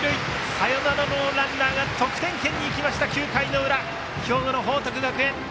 サヨナラのランナーが得点圏に行きました、９回の裏兵庫の報徳学園。